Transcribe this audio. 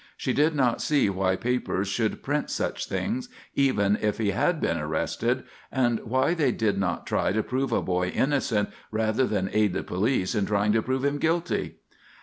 She did not see why papers should print such things, even if he had been arrested, and why they did not try to prove a boy innocent rather than aid the police in trying to prove him guilty.